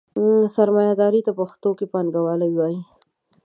سرمایهداري ته پښتو کې پانګواله وایي.